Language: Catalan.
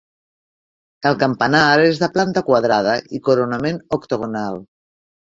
El campanar és de planta quadrada i coronament octogonal.